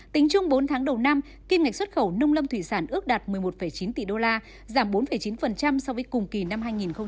tính chung bốn tháng đầu năm kim ngạch xuất khẩu nông lâm thủy sản ước đạt một mươi một chín tỷ đô la giảm bốn chín so với cùng kỳ năm hai nghìn một mươi chín